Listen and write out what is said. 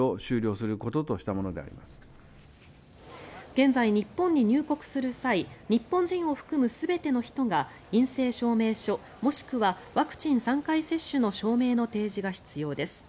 現在、日本に入国する際日本人を含む全ての人が陰性証明書もしくはワクチン３回接種の証明の提示が必要です。